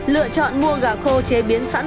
lựa chọn mua gà khô chế biến sẵn